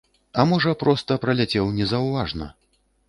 А можа проста праляцеў незаўважна.